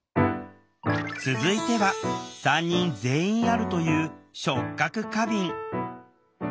続いては３人全員あるという「触覚過敏」。